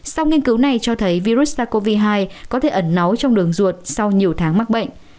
sau nghiên cứu này cho thấy virus sars cov hai có thể ẩn náu trong đường ruột sau nhiều tháng mắc bệnh